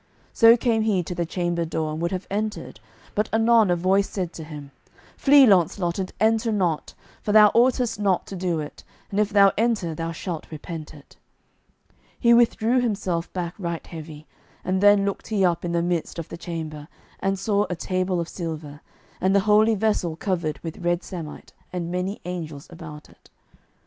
So came he to the chamber door, and would have entered, but anon a voice said to him, "Flee, Launcelot, and enter not, for thou oughtest not to do it; and if thou enter thou shalt repent it." He withdrew himself back right heavy, and then looked he up in the midst of the chamber, and saw a table of silver, and the holy vessel covered with red samite, and many angels about it.